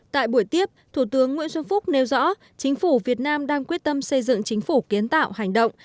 tại buổi tiếp thủ tướng nguyễn xuân phúc nêu rõ chính phủ việt nam đang quyết tâm xây dựng chính phủ kiến tạo hành động